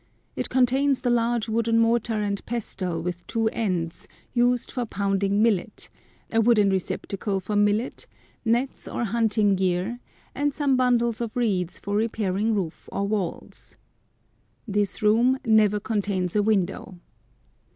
It contains the large wooden mortar and pestle with two ends, used for pounding millet, a wooden receptacle for millet, nets or hunting gear, and some bundles of reeds for repairing roof or walls. This room never contains a window.